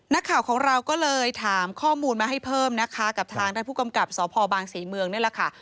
นักข่าวของเราก็เลยถามข้อมูลมาให้เพิ่มนะคะกับทางด้านผู้กำกับสพบางศรีเมืองนี่แหละค่ะ